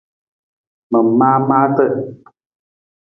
Ma maa maata.